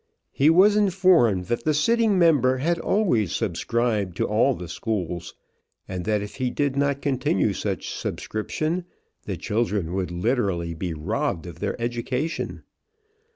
He was informed that the sitting member had always subscribed to all the schools, and that if he did not continue such subscription the children would literally be robbed of their education.